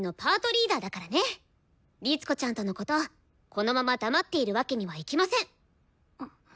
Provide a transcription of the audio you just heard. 律子ちゃんとのことこのまま黙っているわけにはいきません！